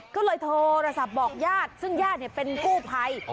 ก็เลยโทรศัพท์บอกญาติซึ่งญาติเป็นกู้ภัย